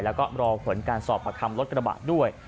แล้วก็รอผลการสอบประคำรถกระบะด้วย